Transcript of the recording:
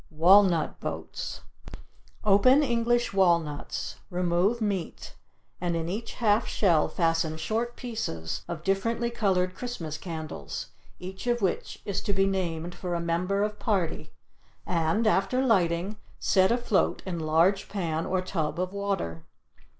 WALNUT BOATS Open English walnuts, remove meat, and in each half shell fasten short pieces of differently colored Christmas candles, each of which is to be named for a member of party and, after lighting, set afloat in large pan or tub of water.